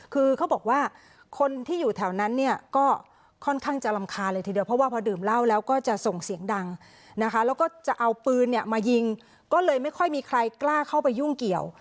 คือเขาบอกว่าคนที่อยู่แถวนั้นเนี่ยก็ค่อนข้างจะรำคาญเลยทีเดียวเพราะว่าพอดื่มเหล้าแล้วก็จะส่งเสียงดังนะคะแล้วก็จะเอาปืนเนี่ยมายิงก็เลยไม่ค่อยมีใครกล้าเข้าไปยุ่งเกี่ยว